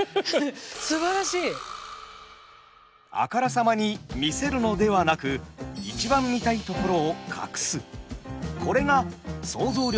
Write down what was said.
あからさまに見せるのではなく一番見たいところを隠す。